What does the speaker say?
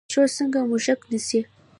پیشو څنګه موږک نیسي؟